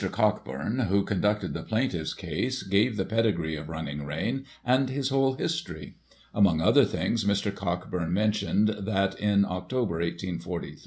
Cockburn, who conducted the plaintiff's case, gave the pedigree of Running Rein, and his whole history. Among other things, Mr. Cockburn mentioned that, in October, 1843, Digitized by Google 248 GOSSIP.